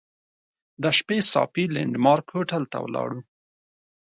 د شپې صافي لینډ مارک هوټل ته ولاړو.